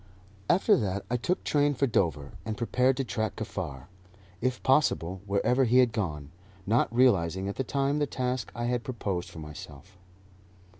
After that I took train for Dover, and prepared to track Kaffar, if possible, wherever he had gone, not realizing at the time the task I had proposed for myself.